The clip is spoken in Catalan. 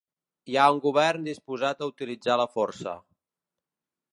Hi ha un govern disposat a utilitzar la força.